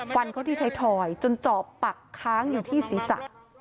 ฟันเขาที่ไทยทอยจนจอบปักค้างอยู่ที่ศีรษะ